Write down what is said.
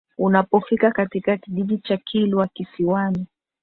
Unapofika katika kijiji cha Kilwa Kisiwani